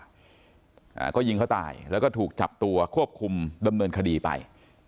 อ่าก็ยิงเขาตายแล้วก็ถูกจับตัวควบคุมดำเนินคดีไป